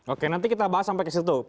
oke nanti kita bahas sampai kesitu